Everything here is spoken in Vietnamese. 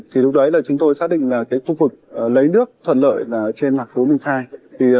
thì lúc đấy chúng tôi xác định là khu vực lấy nước thuận lợi trên mặt phố bình khai